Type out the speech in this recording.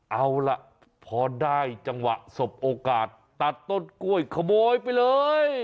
เอาล่ะพอได้จังหวะสบโอกาสตัดต้นกล้วยขโมยไปเลย